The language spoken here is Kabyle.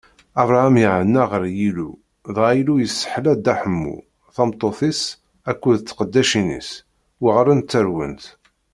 Abṛaham iɛenna ɣer Yillu, dɣa Illu yesseḥla Dda Ḥemmu, tameṭṭut-is akked tqeddacin-is: uɣalent ttarwent.